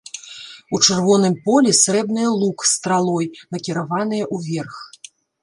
У чырвоным полі срэбныя лук з стралой, накіраваныя ўверх.